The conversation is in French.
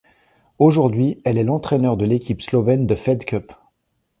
Aujourd'hui, elle est l'entraîneur de l'équipe slovène de Fed Cup.